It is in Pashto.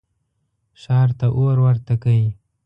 ښار ته اور ورته کئ.